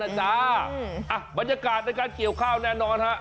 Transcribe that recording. มันเป็นบรรยากาศในการเกี่ยวข้าวแน่นอน